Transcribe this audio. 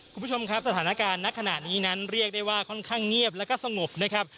คุณผู้ชมครับสถานการณ์ณขณะนี้นั้นเรียกได้ว่าค่อนข้างเงียบแล้วก็สงบนะครับ